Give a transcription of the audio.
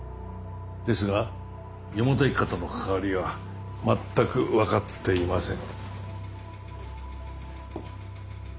ですが四方田一家との関わりは全く分かっていません。